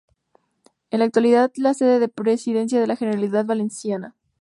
En la actualidad es sede de la Presidencia de la Generalidad Valenciana.